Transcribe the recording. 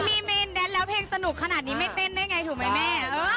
มีเมนแดนแล้วเพลงสนุกขนาดนี้ไม่เต้นได้ไงถูกไหมแม่